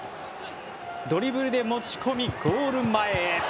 ドリブルで持ち込みゴール前へ。